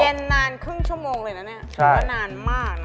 เย็นนานครึ่งชั่วโมงเลยนะเนี่ยนานมากนะ